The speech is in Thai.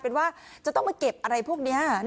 เป็นว่าจะต้องมาเก็บอะไรพวกนี้